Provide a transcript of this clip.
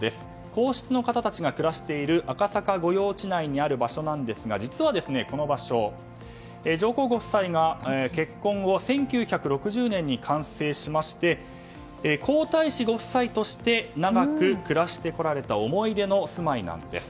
皇室の方たちが暮らしている赤坂御用地内にある場所なんですが実はこの場所上皇ご夫妻が結婚後１９６０年に完成しまして皇太子ご夫妻として長く暮らしてこられた思い出のお住まいなんです。